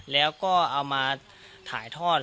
แล้วก็เอามาถ่ายทอด